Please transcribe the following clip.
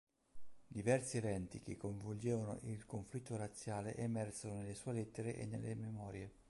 Diversi eventi che coinvolgevano il conflitto razziale emersero nelle sue lettere e nelle memorie.